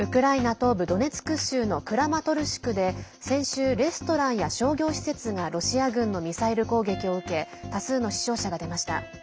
東部ドネツク州のクラマトルシクで先週、レストランや商業施設がロシア軍のミサイル攻撃を受け多数の死傷者が出ました。